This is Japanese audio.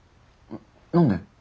何で？